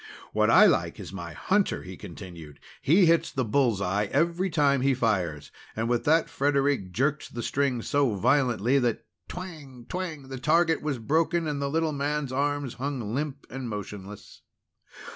"What I like, is my hunter," he continued. "He hits the bull's eye every time he fires." And with that Frederic jerked the string so violently that twang! twang! the target was broken and the little man's arms hung limp and motionless.